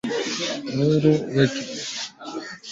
tenga pembeni viazi vyako vya kupika